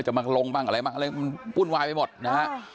จะมาลงอะไรมากมันปุ้นไวไปหมดนะฮะ